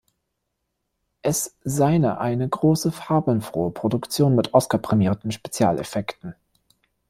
Es seine eine große, farbenfrohe Produktion mit oscarprämierten Spezialeffekten.